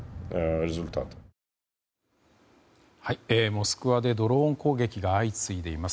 モスクワでドローン攻撃が相次いでいます。